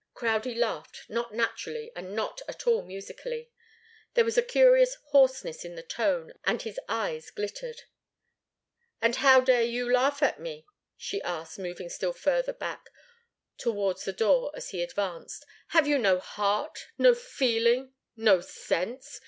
Crowdie laughed, not naturally, and not at all musically. There was a curious hoarseness in the tone, and his eyes glittered. "And how dare you laugh at me?" she asked, moving still further back, towards the door, as he advanced. "Have you no heart, no feeling no sense?